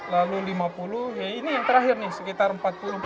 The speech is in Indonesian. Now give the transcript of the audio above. lalu lima puluh ya ini yang terakhir nih sekitar empat puluh empat